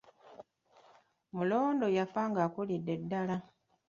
Mulondo yafa akulidde ddala.